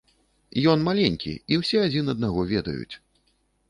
Ён маленькі, і ўсе адзін аднаго ведаюць.